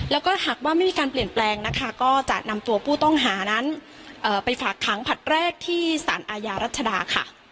แล้วก็หากว่าไม่มีการเปลี่ยนแปลงนะคะก็จะนำตัวผู้ต้องหานั้นไปฝากขังผลัดแรกที่สารอาญารัชดาค่ะ